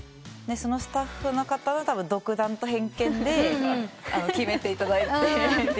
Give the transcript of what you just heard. そのスタッフの方の独断と偏見で決めていただいて。